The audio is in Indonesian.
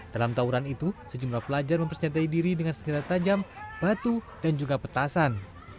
dalam tawuran itu sejumlah pelajar mempersenjatai diri dengan senjata tajam batu dan juga petasan